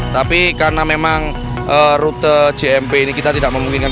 tapi karena memang rute jmp ini kita tidak memungkinkan